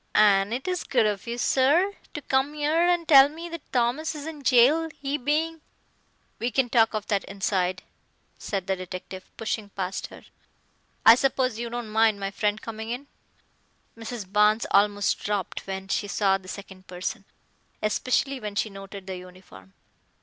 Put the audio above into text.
"An' it is good of you, sir, to come 'ere and tell me that Thomas is in jail, he being " "We can talk of that inside," said the detective, pushing past her. "I suppose you don't mind my friend coming in." Mrs. Barnes almost dropped when she saw the second person, especially when she noted the uniform.